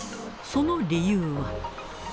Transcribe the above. その理由は。